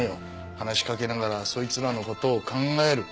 話しかけながらそいつらの事を考える。